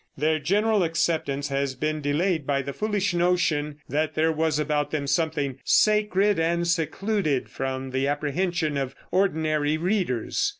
Their general acceptance has been delayed by the foolish notion that there was about them something sacred and secluded from the apprehension of ordinary readers.